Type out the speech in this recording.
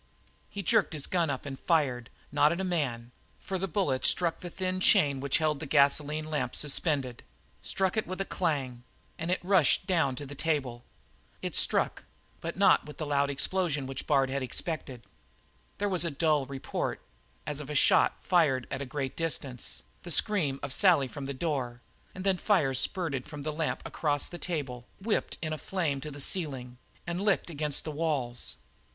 He jerked his gun up and fired, not at a man, for the bullet struck the thin chain which held the gasoline lamp suspended, struck it with a clang, and it rushed down to the table. It struck, but not with the loud explosion which Bard had expected. There was a dull report, as of a shot fired at a great distance, the scream of Sally from the door, and then liquid fire spurted from the lamp across the table, whipped in a flare to the ceiling, and licked against the walls.